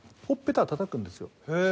ほっぺたを叩くんですよ。